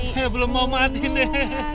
saya belum mau mati nek